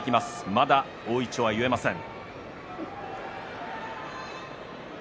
まだ大いちょうは結えません。